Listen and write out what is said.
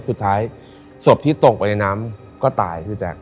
สุดท้ายศพที่ตกไปในน้ำก็ตาย